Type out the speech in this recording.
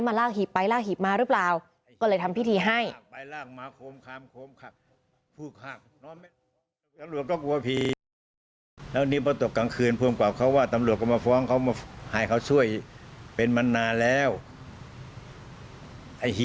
มาลากหีบไปลากหีบมาหรือเปล่า